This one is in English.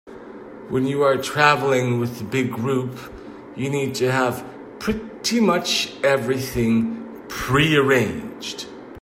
When you are traveling with a big group, you need to have pretty much everything prearranged.